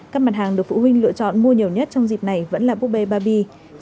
các mặt hàng được phụ huynh lựa chọn mua nhiều nhất trong dịp này vẫn là búp bê barbie